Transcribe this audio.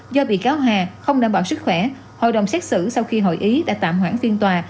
do bị cáo hà không đảm bảo sức khỏe hội đồng xét xử sau khi hội ý đã tạm hoãn phiên tòa